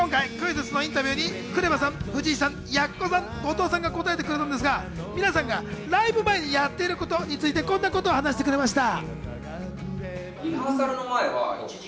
そして今回、クイズッスのインタビューにＫＲＥＶＡさん、藤井さん、鬼奴さん、後藤さんが答えてくれたんですが、皆さんがライブ前にやっていることについて、こんなことを話してくれました。